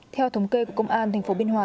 theo thống kê của công an thành phố biên hòa